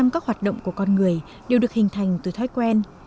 chín mươi năm các hoạt động của con người đều được hình thành từ thói quen